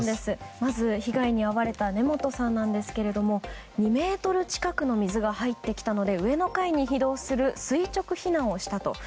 まず、被害に遭われた根本さんなんですけど２ｍ近くの水が入ってきたので上の階に移動する垂直避難をしたと。